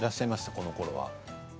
このころは。